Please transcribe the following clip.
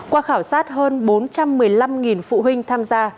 qua khảo sát hơn bốn trăm một mươi năm phụ huynh tham gia